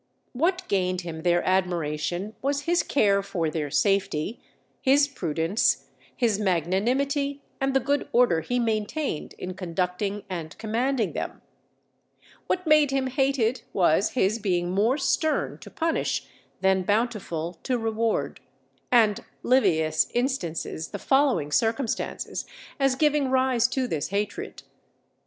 _" What gained him their admiration was his care for their safety, his prudence, his magnanimity, and the good order he maintained in conducting and commanding them. What made him hated was his being more stern to punish than bountiful to reward; and Livius instances the following circumstances as giving rise to this hatred.